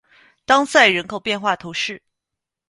当塞人口变化图示